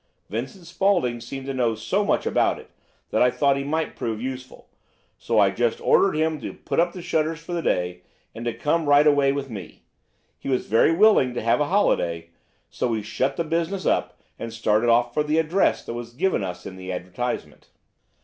Vincent Spaulding seemed to know so much about it that I thought he might prove useful, so I just ordered him to put up the shutters for the day and to come right away with me. He was very willing to have a holiday, so we shut the business up and started off for the address that was given us in the advertisement.